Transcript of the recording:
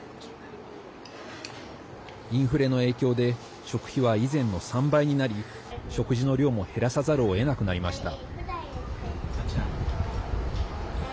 インフレの影響で食費は以前の３倍になり食事の量も減らさざるをえなくなりました。